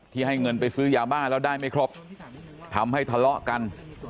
ให้เงินไปซื้อยาบ้าแล้วได้ไม่ครบทำให้ทะเลาะกัน